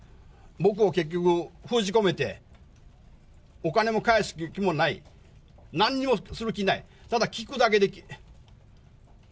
僕を結局封じ込めて、お金も返す気もない、なんにもする気ない、ただ、聞くだけで。